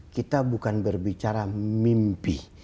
kita bukan berbicara mimpi